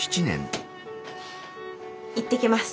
いってきます。